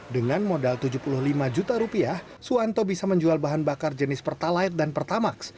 dengan modal tujuh puluh lima juta rupiah suwanto bisa menjual bahan bakar jenis pertalite dan pertamax